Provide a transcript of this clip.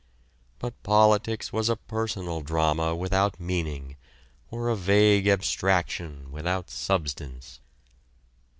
But politics was a personal drama without meaning or a vague abstraction without substance.